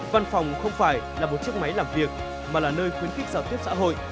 văn phòng không phải là một chiếc máy làm việc mà là nơi khuyến khích giao tiếp xã hội